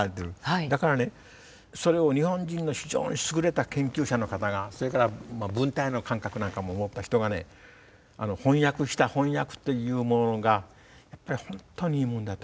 だからねそれを日本人の非常に優れた研究者の方がそれから文体の感覚なんかも持った人が翻訳した翻訳っていうものがやっぱり本当にいいもんだと。